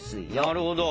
なるほど。